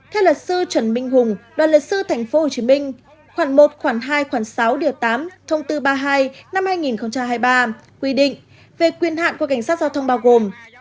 theo luật sư trần minh hùng đoàn luật sư tp hcm khoảng một khoảng hai khoảng sáu điều tám thông tư ba mươi hai năm hai nghìn hai mươi ba quy định về quyền hạn của cảnh sát giao thông bao gồm